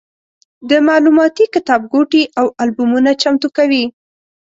د معلوماتي کتابګوټي او البومونه چمتو کوي.